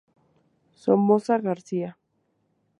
Somoza García.